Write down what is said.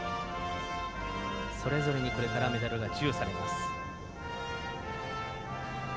それぞれに、これからメダルが授与されます。